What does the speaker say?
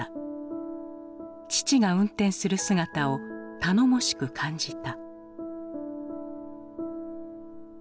父が運転する姿を頼もしく感じた。